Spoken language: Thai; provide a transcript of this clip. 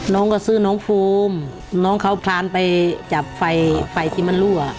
น้องก็ซื้อน้องภูมิน้องเขาพลานไปจับไฟไฟที่มันรั่ว